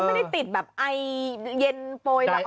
เขาไม่ได้ติดแบบไอเย็นโปรย